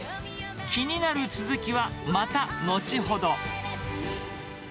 気になる続きはまた後ほど。